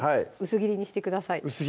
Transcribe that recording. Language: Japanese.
薄切りにしてください